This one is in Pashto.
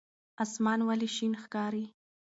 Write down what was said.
اسمان ولې شین ښکاري؟